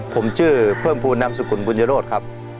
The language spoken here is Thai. ผมชื่อเพิ่มภูนำสุขุนบุญโยโรธครับ